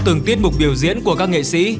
từng tiết mục biểu diễn của các nghệ sĩ